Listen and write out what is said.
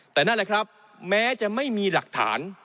แต่นั่นแหละครับแม้จะไม่มีหลักฐาน